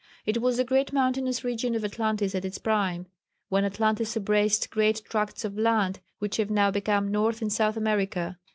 It was the great mountainous region of Atlantis at its prime, when Atlantis embraced great tracts of land which have now become North and South America.